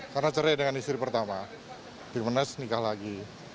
karena cerai dengan istri pertama di menes nikah lagi